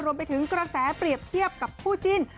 รวมไปถึงกระแสเปรียบเทียบกับคู่จิ้น